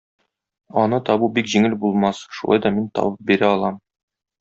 Аны табу бик җиңел булмас, шулай да мин табып бирә алам.